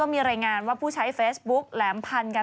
ประมาณอย่างนั้นแหละ